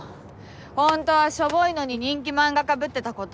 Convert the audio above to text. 本当はしょぼいのに人気漫画家ぶってた事。